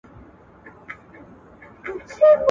ما مرګي ته وې سپارلي د ځلمي کلونو ورځي